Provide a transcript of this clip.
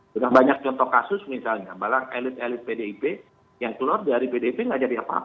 sudah banyak contoh kasus misalnya malah elit elit pdip yang keluar dari pdip nggak jadi apa apa